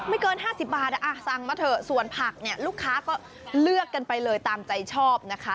เกิน๕๐บาทสั่งมาเถอะส่วนผักเนี่ยลูกค้าก็เลือกกันไปเลยตามใจชอบนะคะ